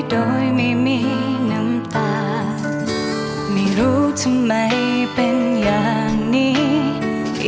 โดยไม่มีน้ำตาไม่รู้ทำไมเป็นอย่างนี้